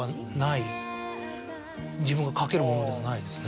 自分が書けるものではないですね。